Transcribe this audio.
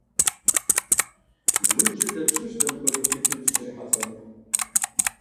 ИужькӀэ дапщэщ дэ мыпхуэдэу хуиту дыщызэрихьэлӀэнур?